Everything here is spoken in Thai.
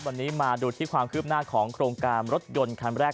วันนี้มาดูที่ความคืบหน้าของโครงการรถยนต์คันแรก